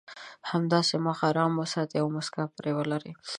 همداسې مخ ارام وساتئ او مسکا پرې ولرئ.